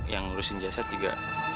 yang lulusin jasad juga